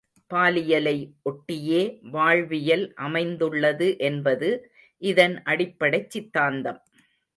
பாலியலை ஒட்டியே வாழ்வியல் அமைந்துள்ளது என்பது இதன் அடிப்படைச் சித்தாந்தம்.